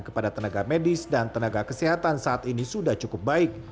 kepada tenaga medis dan tenaga kesehatan saat ini sudah cukup baik